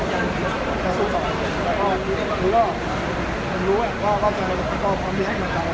ตัวลูกฉันแหละครับตัวผมก็หลบไปมา